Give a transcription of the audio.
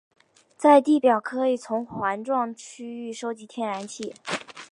在地表可以从环状区域收集天然气。